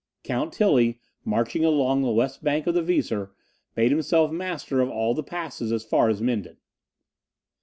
Count Tilly, marching along the left bank of the Weser, made himself master of all the passes as far as Minden.